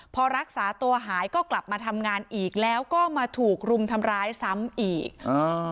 พอรักษาตัวหายก็กลับมาทำงานอีกแล้วก็มาถูกรุมทำร้ายซ้ำอีกอ่า